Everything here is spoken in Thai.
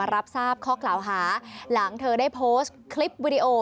รับทราบข้อกล่าวหาหลังเธอได้โพสต์คลิปวิดีโอ